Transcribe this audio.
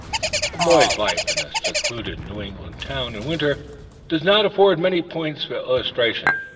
A boy's life in a secluded New England town in winter does not afford many points for illustration.